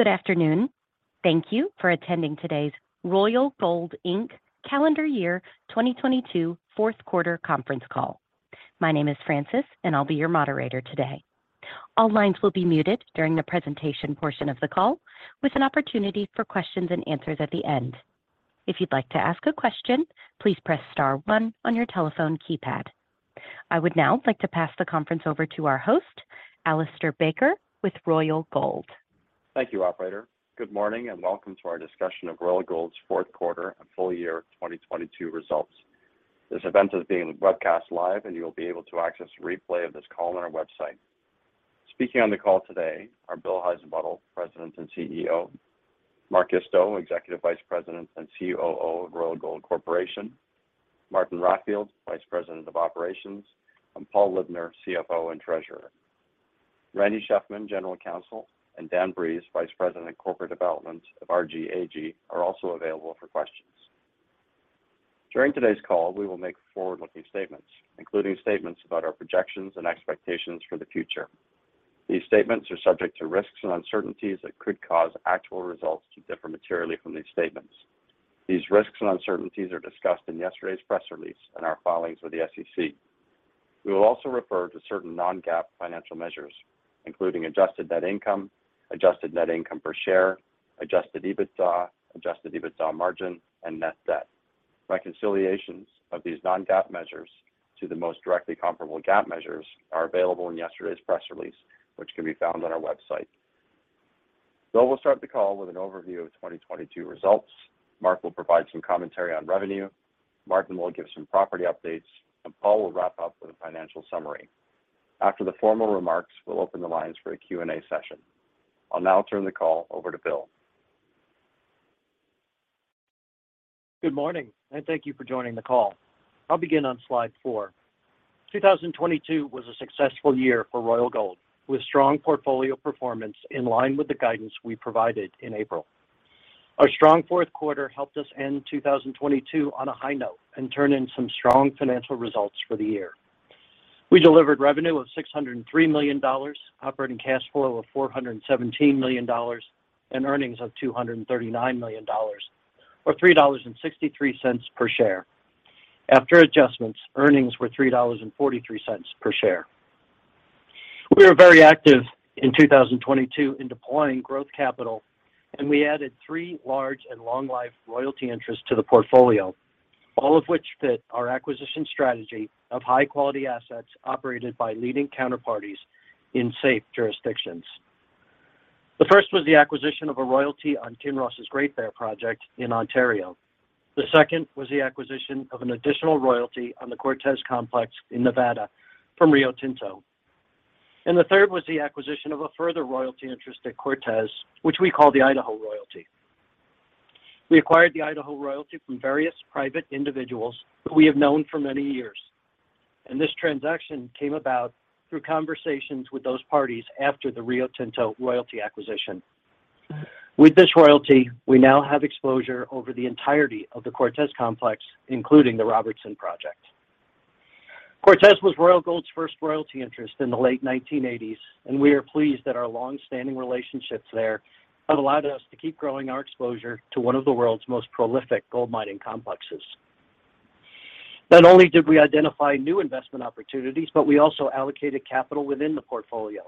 Good afternoon. Thank you for attending today's Royal Gold, Inc. calendar year 2022 fourth quarter conference call. My name is Francis, I'll be your moderator today. All lines will be muted during the presentation portion of the call, with an opportunity for questions and answers at the end. If you'd like to ask a question, please press star one on your telephone keypad. I would now like to pass the conference over to our host, Alistair Baker, with Royal Gold. Thank you, operator. Good morning, and welcome to our discussion of Royal Gold's fourth quarter and full year 2022 results. This event is being webcast live, and you'll be able to access a replay of this call on our website. Speaking on the call today are Bill Heissenbuttel, President and CEO, Mark Isto, Executive Vice President and COO of Royal Gold Corporation, Martin Raffield, Vice President of Operations, and Paul Libner, CFO and Treasurer. Randy Shefman, General Counsel, and Dan Breeze, Vice President of Corporate Development of RG AG, are also available for questions. During today's call, we will make forward-looking statements, including statements about our projections and expectations for the future. These statements are subject to risks and uncertainties that could cause actual results to differ materially from these statements. These risks and uncertainties are discussed in yesterday's press release and our filings with the SEC. We will also refer to certain non-GAAP financial measures, including adjusted net income, adjusted net income per share, adjusted EBITDA, adjusted EBITDA margin, and net debt. Reconciliations of these non-GAAP measures to the most directly comparable GAAP measures are available in yesterday's press release, which can be found on our website. Bill will start the call with an overview of 2022 results. Mark will provide some commentary on revenue. Martin will give some property updates, and Paul will wrap up with a financial summary. After the formal remarks, we'll open the lines for a Q&A session. I'll now turn the call over to Bill. Good morning, and thank you for joining the call. I'll begin on slide four. 2022 was a successful year for Royal Gold, with strong portfolio performance in line with the guidance we provided in April. Our strong fourth quarter helped us end 2022 on a high note and turn in some strong financial results for the year. We delivered revenue of $603 million, operating cash flow of $417 million, and earnings of $239 million, or $3.63 per share. After adjustments, earnings were $3.43 per share. We were very active in 2022 in deploying growth capital. We added three large and long-life royalty interests to the portfolio, all of which fit our acquisition strategy of high-quality assets operated by leading counterparties in safe jurisdictions. The first was the acquisition of a royalty on Kinross' Great Bear project in Ontario. The second was the acquisition of an additional royalty on the Cortez Complex in Nevada from Rio Tinto. The third was the acquisition of a further royalty interest at Cortez, which we call the Idaho Royalty. We acquired the Idaho Royalty from various private individuals who we have known for many years. This transaction came about through conversations with those parties after the Rio Tinto royalty acquisition. With this royalty, we now have exposure over the entirety of the Cortez Complex, including the Robertson project. Cortez was Royal Gold's first royalty interest in the late 1980s. We are pleased that our long-standing relationships there have allowed us to keep growing our exposure to one of the world's most prolific gold mining complexes. Not only did we identify new investment opportunities, we also allocated capital within the portfolio.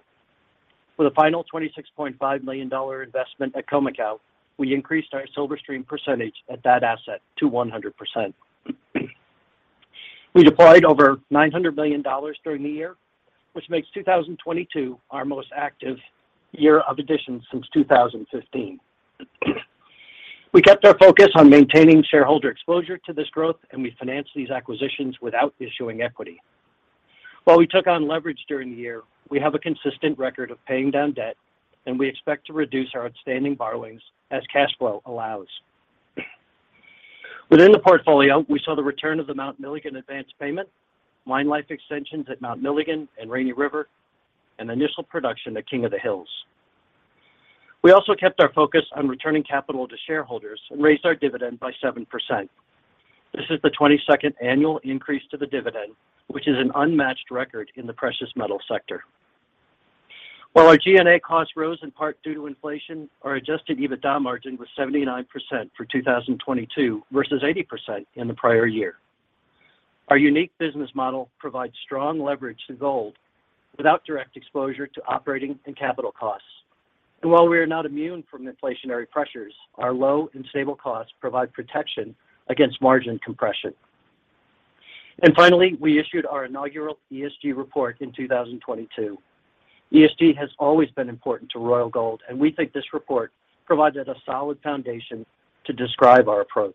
For the final $26.5 million investment at Khoemacau, we increased our silver stream percentage at that asset to 100%. We deployed over $900 million during the year, which makes 2022 our most active year of additions since 2015. We kept our focus on maintaining shareholder exposure to this growth. We financed these acquisitions without issuing equity. While we took on leverage during the year, we have a consistent record of paying down debt, and we expect to reduce our outstanding borrowings as cash flow allows. Within the portfolio, we saw the return of the Mount Milligan advanced payment, mine life extensions at Mount Milligan and Rainy River, and initial production at King of the Hills. We also kept our focus on returning capital to shareholders and raised our dividend by 7%. This is the 22nd annual increase to the dividend, which is an unmatched record in the precious metal sector. While our G&A costs rose in part due to inflation, our adjusted EBITDA margin was 79% for 2022 versus 80% in the prior year. Our unique business model provides strong leverage to gold without direct exposure to operating and capital costs. While we are not immune from inflationary pressures, our low and stable costs provide protection against margin compression. Finally, we issued our inaugural ESG report in 2022. ESG has always been important to Royal Gold, and we think this report provided a solid foundation to describe our approach.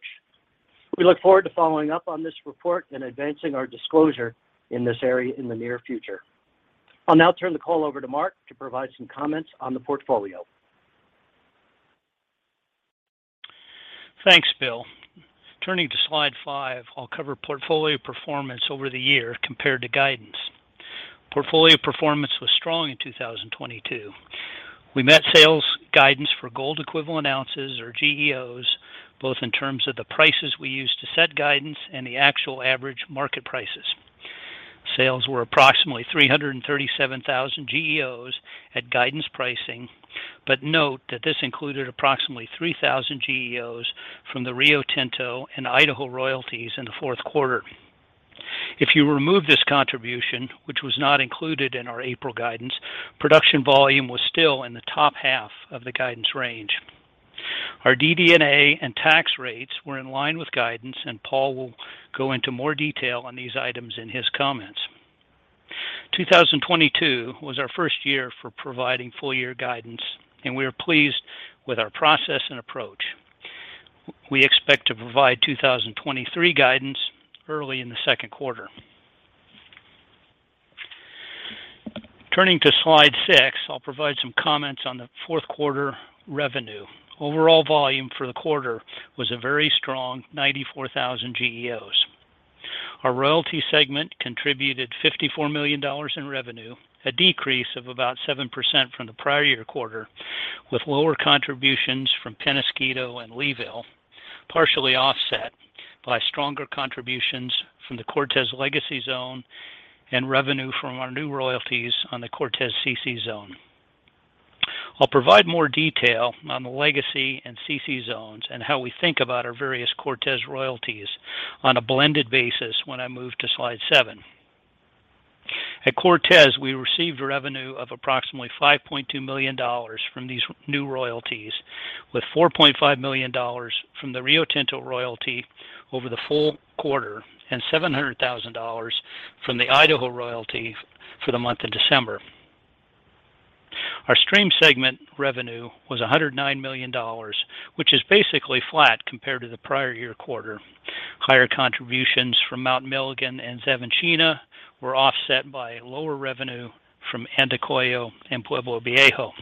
We look forward to following up on this report and advancing our disclosure in this area in the near future. I'll now turn the call over to Mark to provide some comments on the portfolio. Thanks, Bill. Turning to slide five, I'll cover portfolio performance over the year compared to guidance. Portfolio performance was strong in 2022. We met sales guidance for gold equivalent ounces, or GEOs, both in terms of the prices we used to set guidance and the actual average market prices. Sales were approximately 337,000 GEOs at guidance pricing. Note that this included approximately 3,000 GEOs from the Rio Tinto and Idaho royalties in the fourth quarter. If you remove this contribution, which was not included in our April guidance, production volume was still in the top half of the guidance range. Our DD&A and tax rates were in line with guidance. Paul will go into more detail on these items in his comments. 2022 was our first year for providing full year guidance. We are pleased with our process and approach. We expect to provide 2023 guidance early in the second quarter. Turning to slide six, I'll provide some comments on the fourth quarter revenue. Overall volume for the quarter was a very strong 94,000 GEOs. Our royalty segment contributed $54 million in revenue, a decrease of about 7% from the prior year quarter, with lower contributions from Peñasquito and Leeville, partially offset by stronger contributions from the Cortez Legacy Zone and revenue from our new royalties on the Cortez CC Zone. I'll provide more detail on the Legacy and CC Zones and how we think about our various Cortez royalties on a blended basis when I move to slide seven. At Cortez, we received revenue of approximately $5.2 million from these new royalties, with $4.5 million from the Rio Tinto royalty over the full quarter and $700,000 from the Idaho Royalty for the month of December. Our stream segment revenue was $109 million, which is basically flat compared to the prior year quarter. Higher contributions from Mount Milligan and Xavantina were offset by lower revenue from Andacollo and Pueblo Viejo.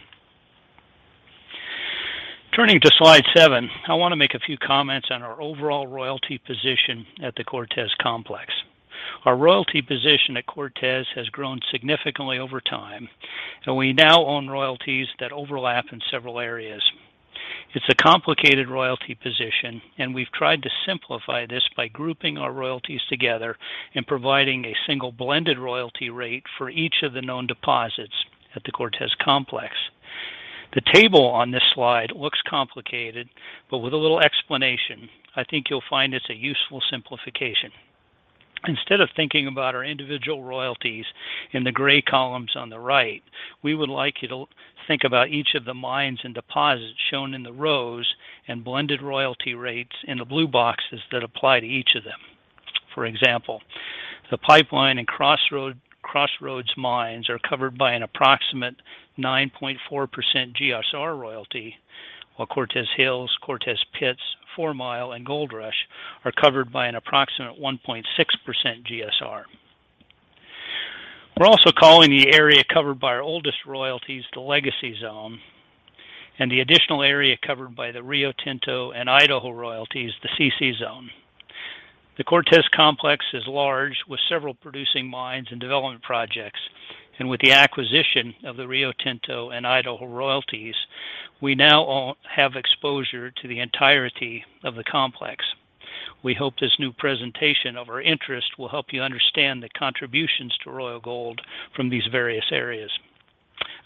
Turning to slide seven, I wanna make a few comments on our overall royalty position at the Cortez Complex. Our royalty position at Cortez has grown significantly over time, and we now own royalties that overlap in several areas. It's a complicated royalty position, and we've tried to simplify this by grouping our royalties together and providing a single blended royalty rate for each of the known deposits at the Cortez Complex. The table on this slide looks complicated, but with a little explanation, I think you'll find it's a useful simplification. Instead of thinking about our individual royalties in the gray columns on the right, we would like you to think about each of the mines and deposits shown in the rows and blended royalty rates in the blue boxes that apply to each of them. For example, the Pipeline and Crossroads mines are covered by an approximate 9.4% GSR royalty, while Cortez Hills, Cortez Pits, Fourmile, and Gold Rush are covered by an approximate 1.6% GSR. We're also calling the area covered by our oldest royalties the Legacy Zone and the additional area covered by the Rio Tinto and Idaho royalties the CC Zone. With the acquisition of the Rio Tinto and Idaho royalties, we now have exposure to the entirety of the complex. We hope this new presentation of our interest will help you understand the contributions to Royal Gold from these various areas.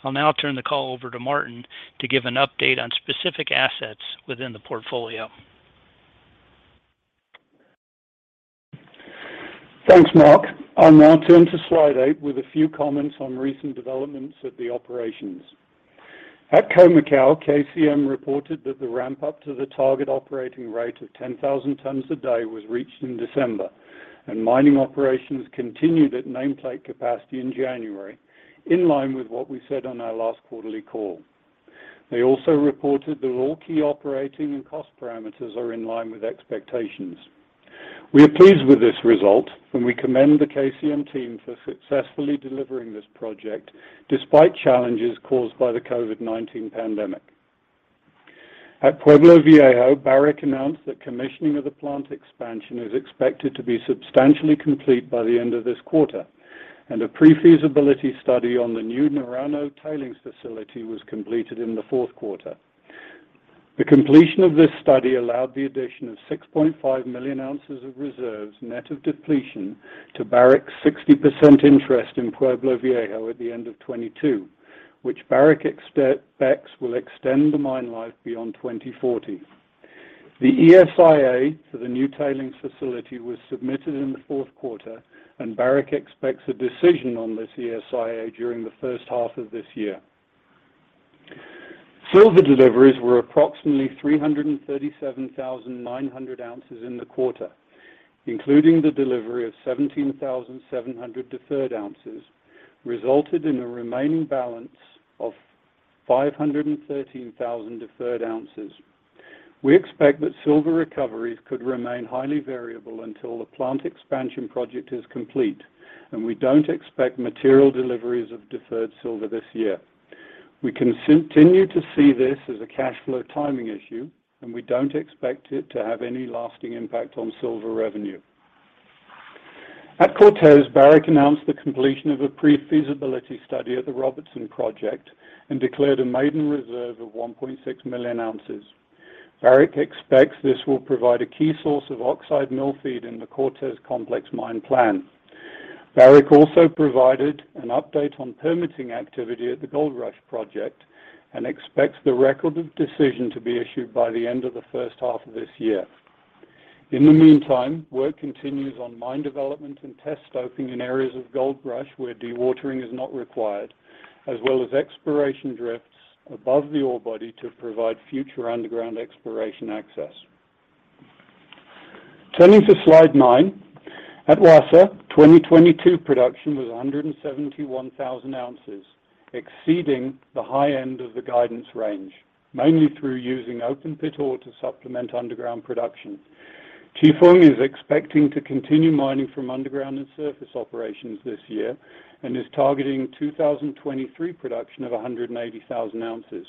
I'll now turn the call over to Martin to give an update on specific assets within the portfolio. Thanks, Mark. I'll now turn to slide eight with a few comments on recent developments at the operations. At Khoemacau, KCM reported that the ramp up to the target operating rate of 10,000 tons a day was reached in December, and mining operations continued at nameplate capacity in January, in line with what we said on our last quarterly call. They also reported that all key operating and cost parameters are in line with expectations. We are pleased with this result, and we commend the KCM team for successfully delivering this project despite challenges caused by the COVID-19 pandemic. At Pueblo Viejo, Barrick announced that commissioning of the plant expansion is expected to be substantially complete by the end of this quarter, and a pre-feasibility study on the new Naranjo tailings facility was completed in the fourth quarter. The completion of this study allowed the addition of 6.5 million ounces of reserves, net of depletion to Barrick's 60% interest in Pueblo Viejo at the end of 2022, which Barrick expects will extend the mine life beyond 2040. The ESIA for the new tailings facility was submitted in the fourth quarter, and Barrick expects a decision on this ESIA during the first half of this year. Silver deliveries were approximately 337,900 ounces in the quarter, including the delivery of 17,700 deferred ounces, resulted in a remaining balance of 513,000 deferred ounces. We expect that silver recoveries could remain highly variable until the plant expansion project is complete, and we don't expect material deliveries of deferred silver this year. We continue to see this as a cash flow timing issue. We don't expect it to have any lasting impact on silver revenue. At Cortez, Barrick announced the completion of a pre-feasibility study at the Robertson project and declared a maiden reserve of 1.6 million ounces. Barrick expects this will provide a key source of oxide mill feed in the Cortez Complex mine plan. Barrick also provided an update on permitting activity at the Goldrush project and expects the record of decision to be issued by the end of the first half of this year. In the meantime, work continues on mine development and test stoping in areas of Goldrush where dewatering is not required, as well as exploration drifts above the ore body to provide future underground exploration access. Turning to slide nine, at Wassa, 2022 production was 171,000 ounces, exceeding the high end of the guidance range, mainly through using open pit ore to supplement underground production. Chifeng is expecting to continue mining from underground and surface operations this year and is targeting 2023 production of 180,000 ounces.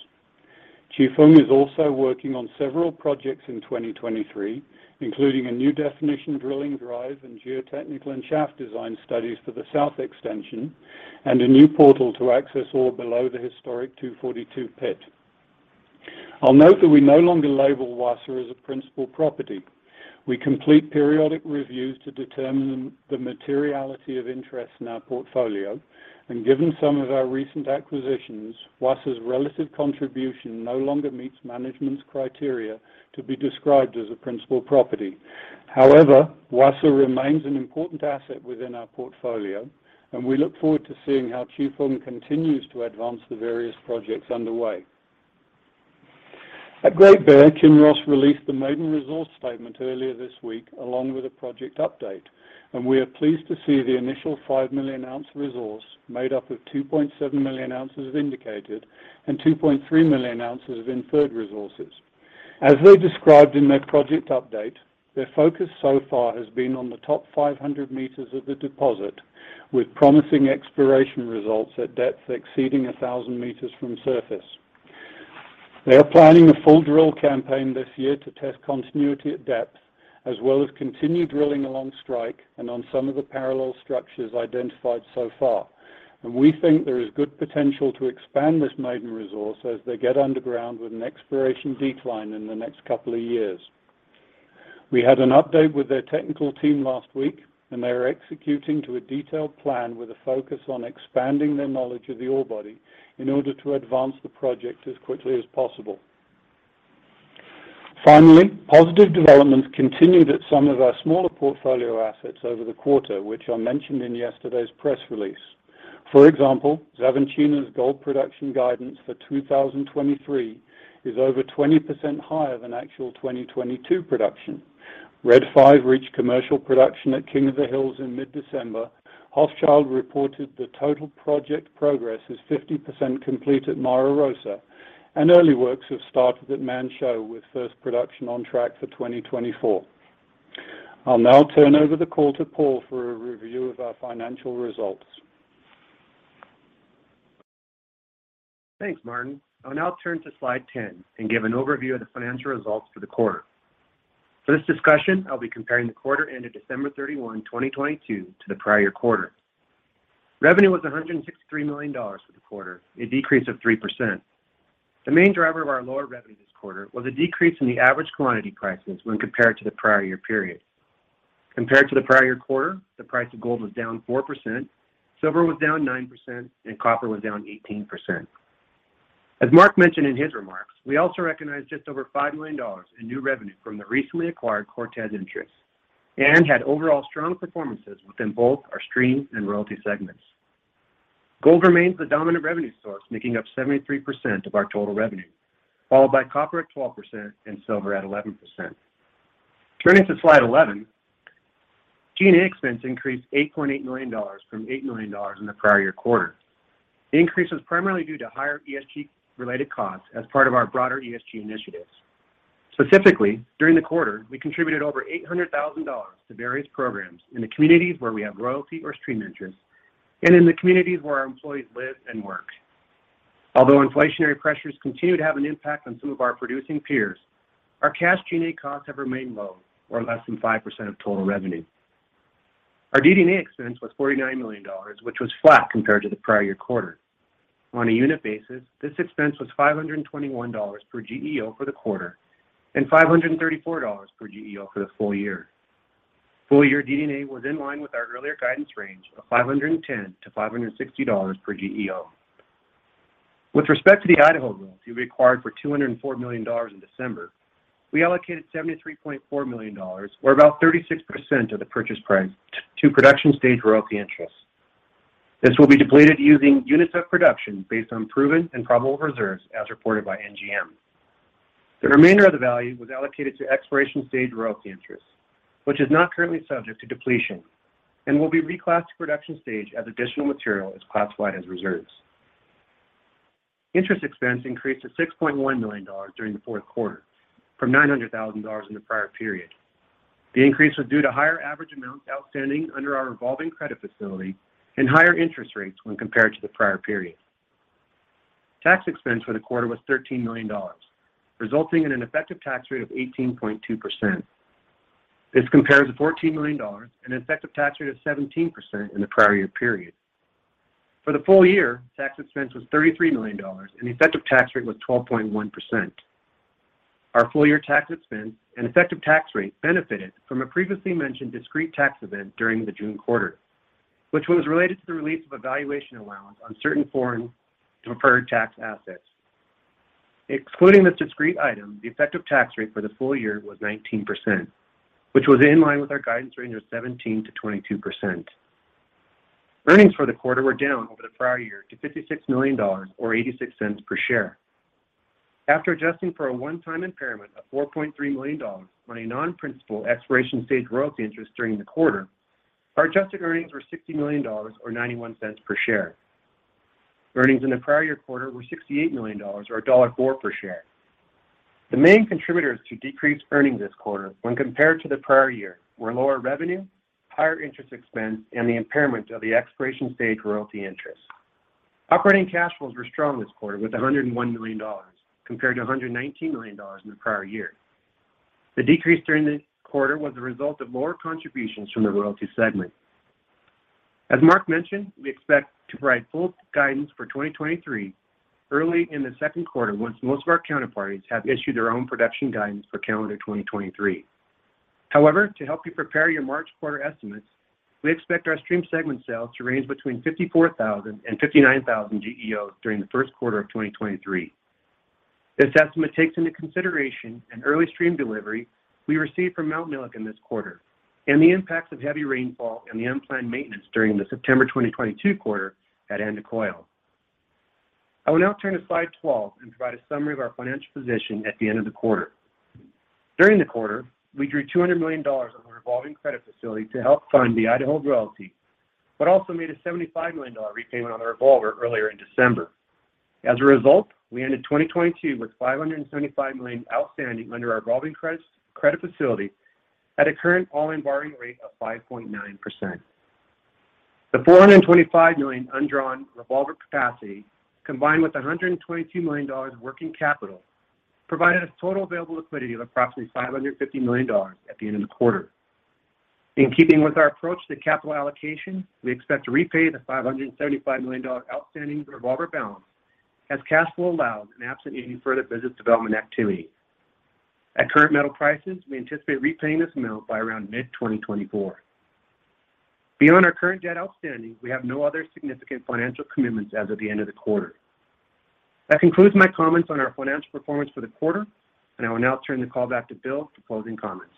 Chifeng is also working on several projects in 2023, including a new definition drilling drive in geotechnical and shaft design studies for the south extension and a new portal to access ore below the historic 242 pit. I'll note that we no longer label Wassa as a principal property. We complete periodic reviews to determine the materiality of interest in our portfolio, and given some of our recent acquisitions, Wassa's relative contribution no longer meets management's criteria to be described as a principal property. However, Wassa remains an important asset within our portfolio, and we look forward to seeing how Chifeng continues to advance the various projects underway. At Great Bear, Kinross released the maiden resource statement earlier this week, along with a project update, and we are pleased to see the initial 5 million ounce resource made up of 2.7 million ounces of indicated and 2.3 million ounces of inferred resources. As they described in their project update, their focus so far has been on the top 500 meters of the deposit, with promising exploration results at depths exceeding 1,000 meters from surface. They are planning a full drill campaign this year to test continuity at depth, as well as continue drilling along strike and on some of the parallel structures identified so far. We think there is good potential to expand this maiden resource as they get underground with an exploration decline in the next couple of years. We had an update with their technical team last week, and they are executing to a detailed plan with a focus on expanding their knowledge of the ore body in order to advance the project as quickly as possible. Positive developments continued at some of our smaller portfolio assets over the quarter, which are mentioned in yesterday's press release. For example, Xavantina's gold production guidance for 2023 is over 20% higher than actual 2022 production. Red 5 reached commercial production at King of the Hills in mid-December. Hochschild reported that total project progress is 50% complete at Mara Rosa, and early works have started at Manh Choh, with first production on track for 2024. I'll now turn over the call to Paul for a review of our financial results. Thanks, Martin. I will now turn to slide 10 and give an overview of the financial results for the quarter. For this discussion, I'll be comparing the quarter ended December 31, 2022 to the prior quarter. Revenue was $163 million for the quarter, a decrease of 3%. The main driver of our lower revenue this quarter was a decrease in the average commodity prices when compared to the prior year period. Compared to the prior quarter, the price of gold was down 4%, silver was down 9%, and copper was down 18%. As Mark mentioned in his remarks, we also recognized just over $5 million in new revenue from the recently acquired Cortez interest and had overall strong performances within both our stream and royalty segments. Gold remains the dominant revenue source, making up 73% of our total revenue, followed by copper at 12% and silver at 11%. Turning to slide 11, G&A expense increased $8.8 million from $8 million in the prior year quarter. The increase was primarily due to higher ESG-related costs as part of our broader ESG initiatives. Specifically, during the quarter, we contributed over $800,000 to various programs in the communities where we have royalty or stream interest and in the communities where our employees live and work. Although inflationary pressures continue to have an impact on some of our producing peers, our cash G&A costs have remained low or less than 5% of total revenue. Our DD&A expense was $49 million, which was flat compared to the prior year quarter. On a unit basis, this expense was $521 per GEO for the quarter and $534 per GEO for the full year. Full-year DD&A was in line with our earlier guidance range of $510-$560 per GEO. With respect to the Idaho Royalty acquired for $204 million in December, we allocated $73.4 million, or about 36% of the purchase price, to production stage royalty interest. This will be depleted using units of production based on proven and probable reserves as reported by NGM. The remainder of the value was allocated to exploration stage royalty interest, which is not currently subject to depletion and will be reclassed to production stage as additional material is classified as reserves. Interest expense increased to $6.1 million during the fourth quarter from $900,000 in the prior period. The increase was due to higher average amounts outstanding under our revolving credit facility and higher interest rates when compared to the prior period. Tax expense for the quarter was $13 million, resulting in an effective tax rate of 18.2%. This compares to $14 million and an effective tax rate of 17% in the prior year period. For the full year, tax expense was $33 million, and the effective tax rate was 12.1%. Our full year tax expense and effective tax rate benefited from a previously mentioned discrete tax event during the June quarter, which was related to the release of a valuation allowance on certain foreign preferred tax assets. Excluding this discrete item, the effective tax rate for the full year was 19%, which was in line with our guidance range of 17%-22%. Earnings for the quarter were down over the prior year to $56 million or $0.86 per share. After adjusting for a one-time impairment of $4.3 million on a non-principal exploration stage royalty interest during the quarter, our adjusted earnings were $60 million or $0.91 per share. Earnings in the prior year quarter were $68 million or $1.04 per share. The main contributors to decreased earnings this quarter when compared to the prior year were lower revenue, higher interest expense, and the impairment of the exploration stage royalty interest. Operating cash flows were strong this quarter with $101 million compared to $119 million in the prior year. The decrease during the quarter was a result of lower contributions from the royalty segment. As Mark mentioned, we expect to provide full guidance for 2023 early in the second quarter once most of our counterparties have issued their own production guidance for calendar 2023. However, to help you prepare your March quarter estimates, we expect our stream segment sales to range between 54,000 and 59,000 GEOs during the first quarter of 2023. This estimate takes into consideration an early stream delivery we received from Mount Milligan in this quarter and the impacts of heavy rainfall and the unplanned maintenance during the September 2022 quarter at Andacollo. I will now turn to slide 12 and provide a summary of our financial position at the end of the quarter. During the quarter, we drew $200 million on a revolving credit facility to help fund the Idaho Royalty, but also made a $75 million repayment on the revolver earlier in December. As a result, we ended 2022 with $575 million outstanding under our revolving credit facility at a current all-in borrowing rate of 5.9%. The $425 million undrawn revolver capacity, combined with $122 million working capital, provided us total available liquidity of approximately $550 million at the end of the quarter. In keeping with our approach to capital allocation, we expect to repay the $575 million outstanding revolver balance as cash flow allows and absent any further business development activity. At current metal prices, we anticipate repaying this amount by around mid-2024. Beyond our current debt outstanding, we have no other significant financial commitments as of the end of the quarter. That concludes my comments on our financial performance for the quarter, and I will now turn the call back to Bill for closing comments.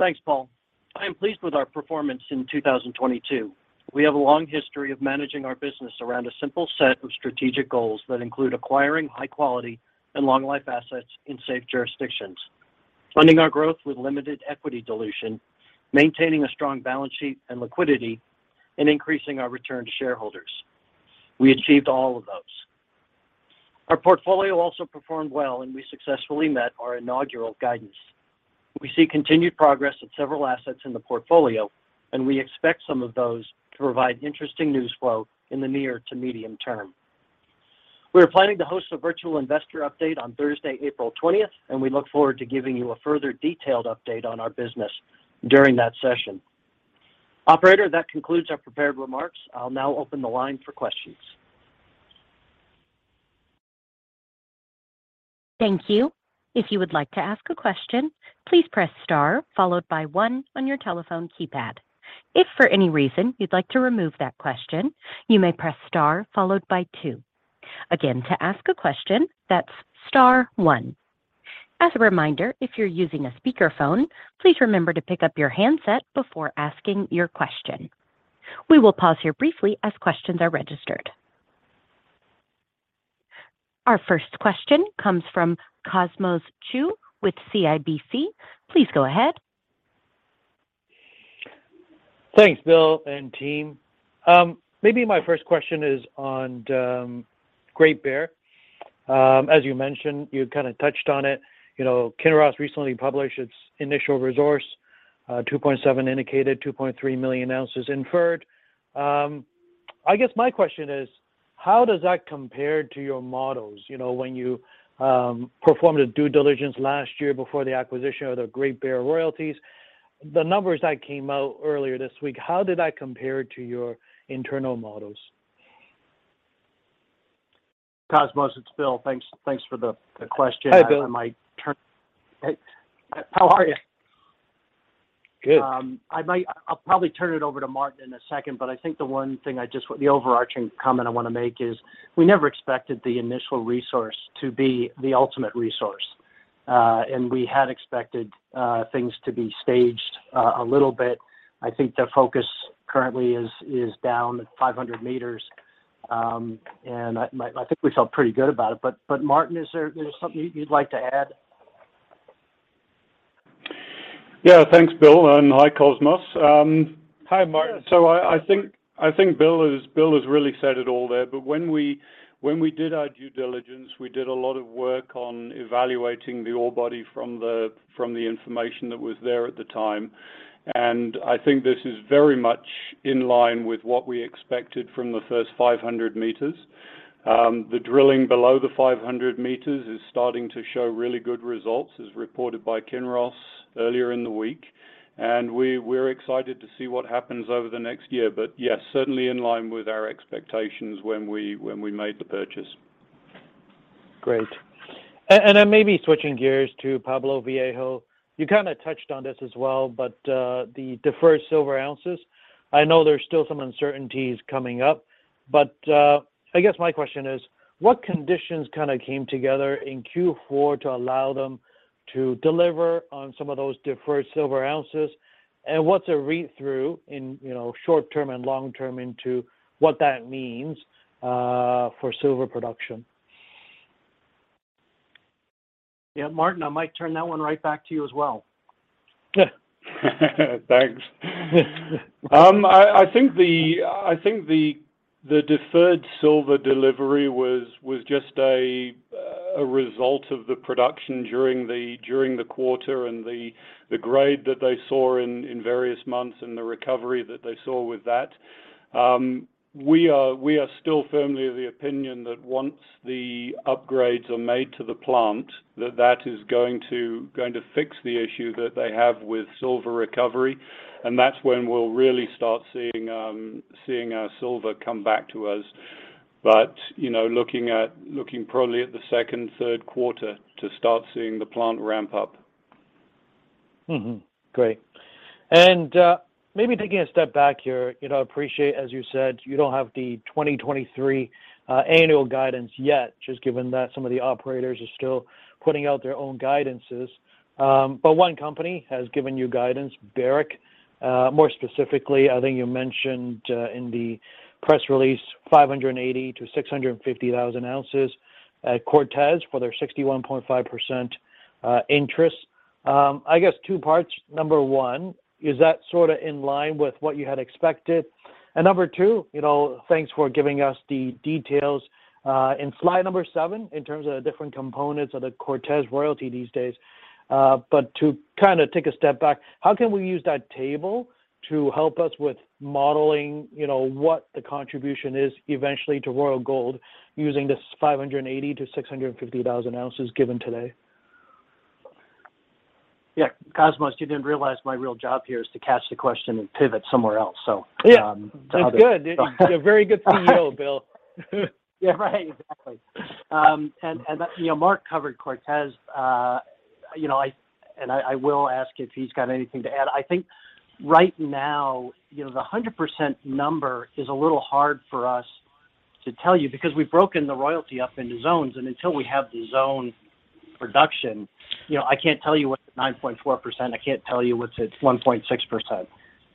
Thanks, Paul. I am pleased with our performance in 2022. We have a long history of managing our business around a simple set of strategic goals that include acquiring high quality and long life assets in safe jurisdictions, funding our growth with limited equity dilution, maintaining a strong balance sheet and liquidity, and increasing our return to shareholders. We achieved all of those. Our portfolio also performed well. We successfully met our inaugural guidance. We see continued progress at several assets in the portfolio. We expect some of those to provide interesting news flow in the near to medium term. We are planning to host a virtual investor update on Thursday, April 20th. We look forward to giving you a further detailed update on our business during that session. Operator, that concludes our prepared remarks. I'll now open the line for questions. Thank you. If you would like to ask a question, please press star followed by one on your telephone keypad. If, for any reason, you'd like to remove that question, you may press star followed by two. Again, to ask a question, that's star one. As a reminder, if you're using a speakerphone, please remember to pick up your handset before asking your question. We will pause here briefly as questions are registered. Our first question comes from Cosmos Chiu with CIBC. Please go ahead. Thanks, Bill and team. Maybe my first question is on the Great Bear. As you mentioned, you kinda touched on it. You know, Kinross recently published its initial resource, 2.7 million indicated, 2.3 million ounces inferred. I guess my question is: how does that compare to your models? You know, when you performed due diligence last year before the acquisition of the Great Bear Royalties, the numbers that came out earlier this week, how did that compare to your internal models? Cosmos, it's Bill. Thanks for the question. Hi, Bill. Hey, how are you? Good. I'll probably turn it over to Martin in a second, I think the one thing the overarching comment I wanna make is we never expected the initial resource to be the ultimate resource, and we had expected things to be staged a little bit. I think the focus currently is down at 500 meters, and I think we felt pretty good about it. Martin, is there something you'd like to add? Yeah. Thanks, Bill, and hi, Cosmos. Hi, Martin. I think Bill has really said it all there. When we did our due diligence, we did a lot of work on evaluating the ore body from the information that was there at the time, and I think this is very much in line with what we expected from the first 500 meters. The drilling below the 500 meters is starting to show really good results, as reported by Kinross earlier in the week. We're excited to see what happens over the next year. Yes, certainly in line with our expectations when we made the purchase. Great. I may be switching gears to Pueblo Viejo. You kind of touched on this as well, but the deferred silver ounces, I know there's still some uncertainties coming up, but I guess my question is what conditions kind of came together in Q4 to allow them to deliver on some of those deferred silver ounces? What's a read-through in, you know, short-term and long-term into what that means for silver production? Yeah, Martin, I might turn that one right back to you as well. Thanks. I think the deferred silver delivery was just a result of the production during the quarter, and the grade that they saw in various months and the recovery that they saw with that. We are still firmly of the opinion that once the upgrades are made to the plant, that is going to fix the issue that they have with silver recovery, and that's when we'll really start seeing our silver come back to us. You know, looking probably at the second, third quarter to start seeing the plant ramp up. Great. Maybe taking a step back here, you know, appreciate, as you said, you don't have the 2023 annual guidance yet, just given that some of the operators are still putting out their own guidances. One company has given you guidance, Barrick. More specifically, I think you mentioned in the press release, 580,000-650,000 ounces at Cortez for their 61.5% interest. I guess two parts. Number one, is that sort of in line with what you had expected? Number two, you know, thanks for giving us the details in slide seven, in terms of the different components of the Cortez royalty these days. To kind of take a step back, how can we use that table to help us with modeling, you know, what the contribution is eventually to Royal Gold using this 580,000-650,000 ounces given today? Yeah. Cosmos, you didn't realize my real job here is to catch the question and pivot somewhere else, so. Yeah. That's good Very good thing to know, Bill. Yeah, right. Exactly. You know, Mark covered Cortez. You know, I will ask if he's got anything to add. I think right now, you know, the 100% number is a little hard for us to tell you because we've broken the royalty up into zones, and until we have the zone production, you know, I can't tell you what's 9.4%. I can't tell you what's its 1.6%.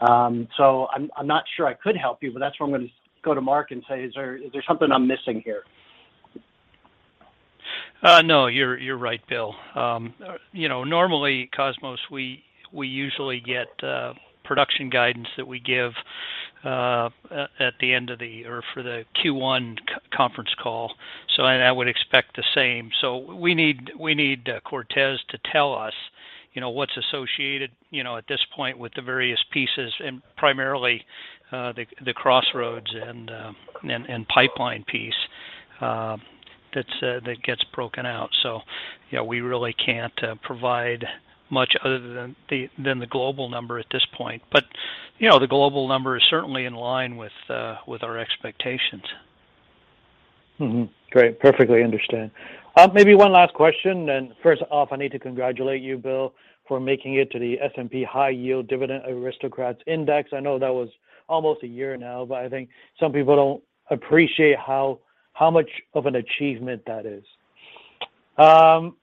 I'm not sure I could help you, but that's why I'm gonna go to Mark and say, is there something I'm missing here? No, you're right, Bill. You know, Cosmos, we usually get production guidance that we give at the end of the, or for the Q1 conference call, and I would expect the same. We need Cortez to tell us, you know, what's associated, you know, at this point with the various pieces and primarily the Crossroads and Pipeline piece that gets broken out. You know, we really can't provide much other than the global number at this point. You know, the global number is certainly in line with our,. Great. Perfectly understand. Maybe one last question, first off, I need to congratulate you, Bill, for making it to the S&P High Yield Dividend Aristocrats Index. I know that was almost a year now, but I think some people don't appreciate how much of an achievement that is. On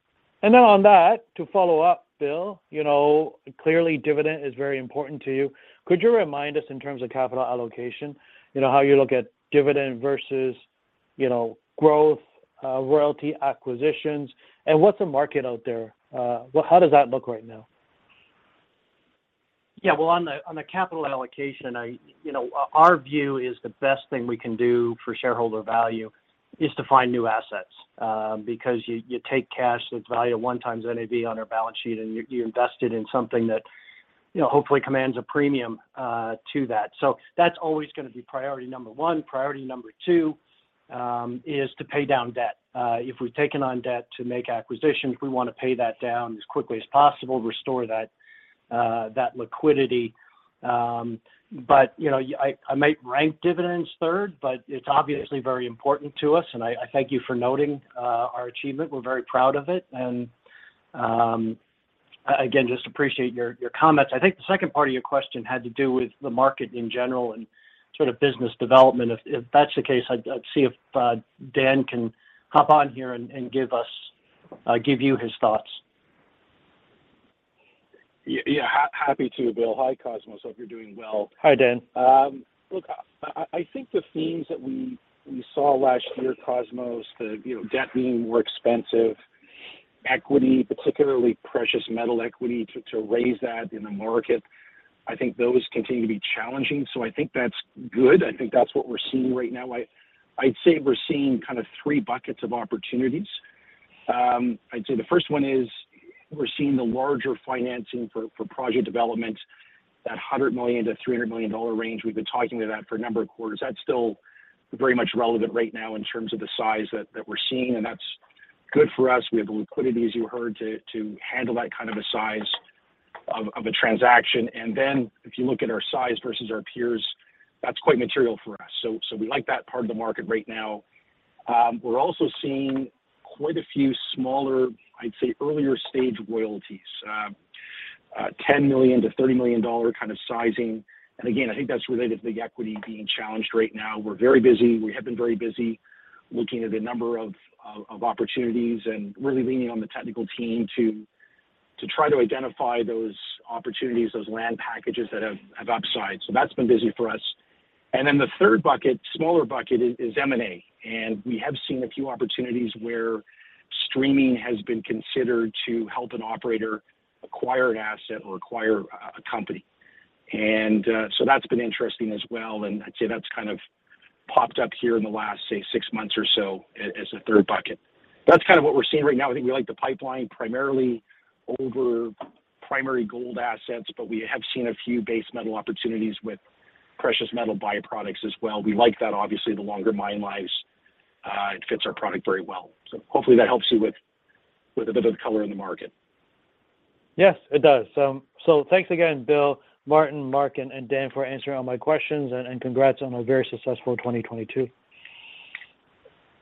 that, to follow up, Bill, you know, clearly dividend is very important to you. Could you remind us in terms of capital allocation, you know, how you look at dividend versus, you know, growth, royalty acquisitions, what's the market out there? How does that look right now? Well, on the capital allocation, I, you know, our view is the best thing we can do for shareholder value is to find new assets, because you take cash that's valued at one times NAV on our balance sheet, and you invest it in something that, you know, hopefully commands a premium to that. That's always gonna be priority number one. Priority number two, is to pay down debt. If we've taken on debt to make acquisitions, we wanna pay that down as quickly as possible, restore that liquidity. You know, I might rank dividends third, but it's obviously very important to us, and I thank you for noting, our achievement. We're very proud of it, and, again, just appreciate your comments. I think the second part of your question had to do with the market in general and sort of business development. If that's the case, I'd see if Dan can hop on here and give us give you his thoughts. Yeah, happy to, Bill. Hi, Cosmos. Hope you're doing well. Hi, Dan. Look, I think the themes that we saw last year, Cosmos, the, you know, debt being more expensive, equity, particularly precious metal equity, to raise that in the market, I think those continue to be challenging. I think that's good. I think that's what we're seeing right now. I'd say we're seeing kind of three buckets of opportunities. I'd say the first one is we're seeing the larger financing for project development, that $100 million-$300 million range. We've been talking to that for a number of quarters. That's still very much relevant right now in terms of the size that we're seeing, and that's good for us. We have the liquidity, as you heard, to handle that kind of a size of a transaction. If you look at our size versus our peers, that's quite material for us. We like that part of the market right now. We're also seeing quite a few smaller, I'd say, earlier stage royalties. $10 million-$30 million kind of sizing. Again, I think that's related to the equity being challenged right now. We're very busy. We have been very busy looking at a number of opportunities and really leaning on the technical team to try to identify those opportunities, those land packages that have upside. That's been busy for us. Then the third bucket, smaller bucket is M&A. We have seen a few opportunities where streaming has been considered to help an operator acquire an asset or acquire a company. That's been interesting as well. I'd say that's kind of popped up here in the last, say, six months or so as a third bucket. That's kind of what we're seeing right now. I think we like the pipeline primarily over primary gold assets. We have seen a few base metal opportunities with precious metal by-products as well. We like that. Obviously, the longer mine lives, it fits our product very well. Hopefully that helps you with a bit of color in the market. Yes, it does. Thanks again, Bill, Martin, Mark, and Dan, for answering all my questions, and congrats on a very successful 2022.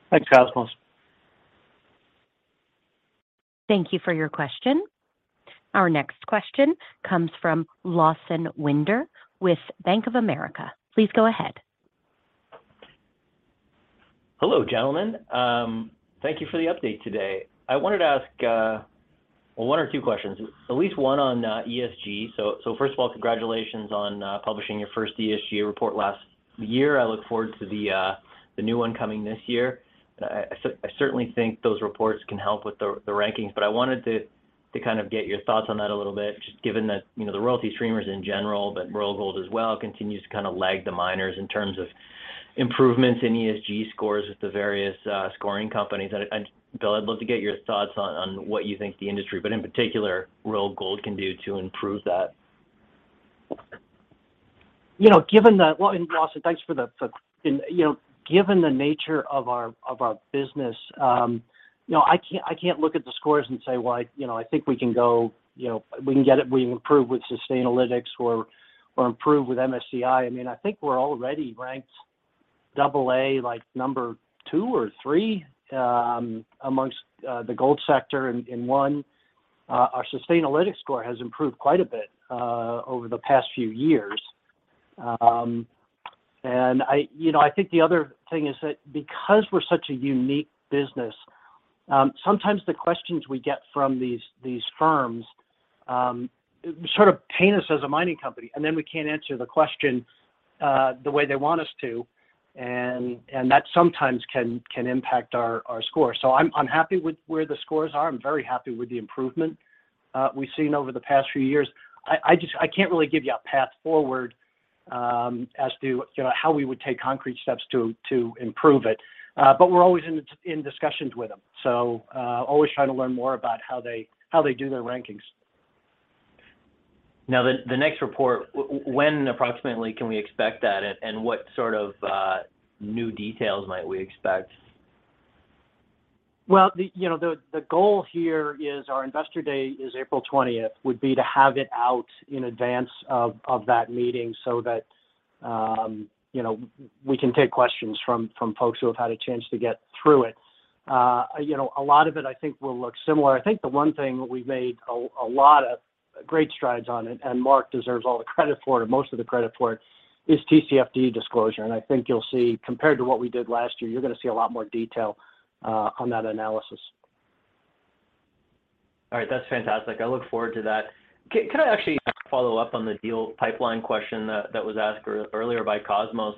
Thanks, Cosmos. Thank you for your question. Our next question comes from Lawson Winder with Bank of America. Please go ahead. Hello, gentlemen. Thank you for the update today. I wanted to ask one or two questions, at least one on ESG. First of all, congratulations on publishing your first ESG report last year. I look forward to the new one coming this year. I certainly think those reports can help with the rankings, but I wanted to kind of get your thoughts on that a little bit, just given that, you know, the royalty streamers in general, but Royal Gold as well, continues to kind of lag the miners in terms of improvements in ESG scores with the various scoring companies. Bill, I'd love to get your thoughts on what you think the industry, but in particular Royal Gold can do to improve that. You know, well, Lawson, thanks for the. You know, given the nature of our business, you know, I can't look at the scores and say, "Well, you know, I think we can go, you know, we can get it. We can improve with Sustainalytics or improve with MSCI." I mean, I think we're already ranked double A, like number two or three, amongst the gold sector in one. Our Sustainalytics score has improved quite a bit over the past few years. You know, I think the other thing is that because we're such a unique business, sometimes the questions we get from these firms, sort of paint us as a mining company, and then we can't answer the question the way they want us to, and that sometimes can impact our score. I'm happy with where the scores are. I'm very happy with the improvement we've seen over the past few years. I just, I can't really give you a path forward as to, you know, how we would take concrete steps to improve it. We're always in discussions with them, so always trying to learn more about how they do their rankings. The next report, when approximately can we expect that, and what sort of new details might we expect? Well, you know, the goal here is our investor day is April 20th, would be to have it out in advance of that meeting so that, you know, we can take questions from folks who have had a chance to get through it. You know, a lot of it, I think will look similar. I think the one thing we've made a lot of great strides on, and Mark deserves all the credit for it, or most of the credit for it is TCFD disclosure. I think you'll see, compared to what we did last year, you're gonna see a lot more detail on that analysis. All right. That's fantastic. I look forward to that. Can I actually follow up on the deal pipeline question that was asked earlier by Cosmos?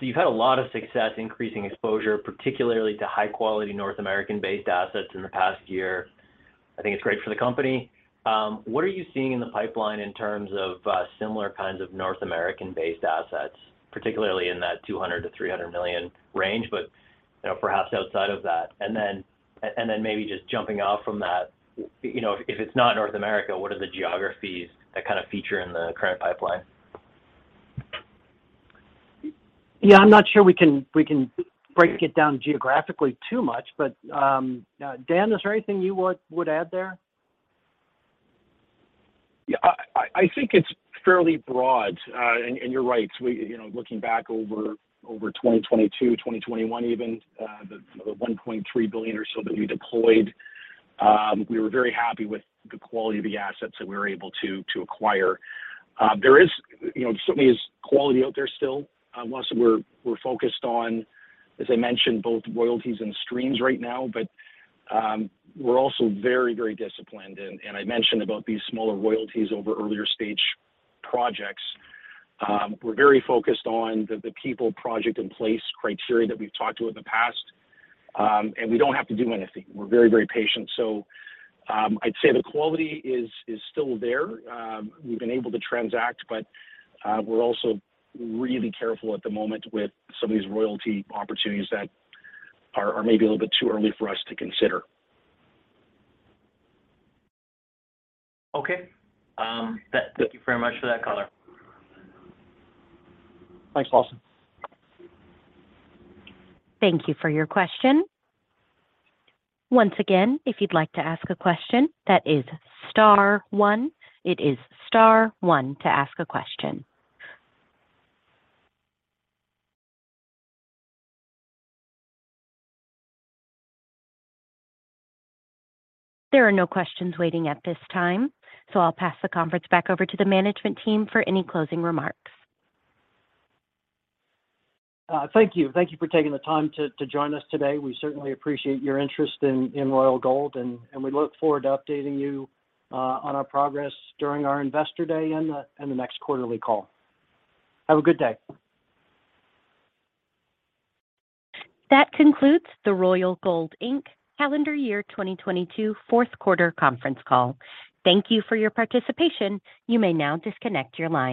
You've had a lot of success increasing exposure, particularly to high-quality North American-based assets in the past year. I think it's great for the company. What are you seeing in the pipeline in terms of similar kinds of North American-based assets, particularly in that $200 million-$300 million range, but, you know, perhaps outside of that? Then, maybe just jumping off from that, you know, if it's not North America, what are the geographies that kind of feature in the current pipeline? Yeah, I'm not sure we can break it down geographically too much. Dan, is there anything you would add there? Yeah. I think it's fairly broad. You're right. We, you know, looking back over 2022, 2021 even, the $1.3 billion or so that we deployed, we were very happy with the quality of the assets that we were able to acquire. There is, you know, certainly is quality out there still. Lawson, we're focused on, as I mentioned, both royalties and streams right now, but we're also very disciplined. I mentioned about these smaller royalties over earlier stage projects. We're very focused on the people, project, and place criteria that we've talked to in the past. We don't have to do anything. We're very patient. I'd say the quality is still there. We've been able to transact, but we're also really careful at the moment with some of these royalty opportunities that are maybe a little bit too early for us to consider. Okay. Thank you very much for that color. Thanks, Lawson. Thank you for your question. Once again, if you'd like to ask a question, that is star one. It is star one to ask a question. There are no questions waiting at this time. I'll pass the conference back over to the management team for any closing remarks. Thank you. Thank you for taking the time to join us today. We certainly appreciate your interest in Royal Gold, and we look forward to updating you on our progress during our investor day and the next quarterly call. Have a good day. That concludes the Royal Gold Inc. calendar year 2022 fourth quarter conference call. Thank you for your participation. You may now disconnect your line.